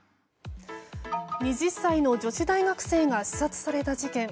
２０歳の女子大学生が刺殺された事件。